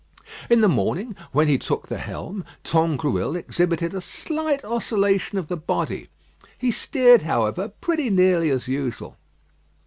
In the morning, when he took the helm, Tangrouille exhibited a slight oscillation of the body. He steered, however, pretty nearly as usual.